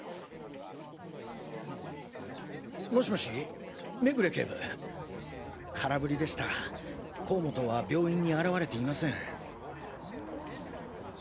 もしもし目暮警部空振りでした甲本は病院に現れていません。